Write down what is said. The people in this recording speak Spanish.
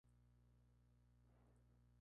Hay aberturas de balcones y otras geminadas.